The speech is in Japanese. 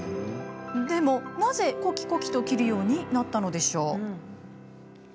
でも、なぜコキコキと切るようになったのでしょう？